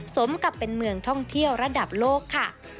สมกับเป็นเมืองท่องเที่ยวระดับโลกค่ะ